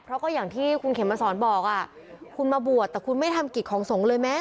เพราะก็อย่างที่คุณเข็มมาสอนบอกคุณมาบวชแต่คุณไม่ทำกิจของสงฆ์เลยแม้